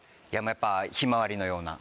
やっぱひまわりのような。